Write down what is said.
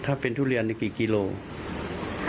ถ้าเป็นทุเรียนนี่กี่กิโลกรัม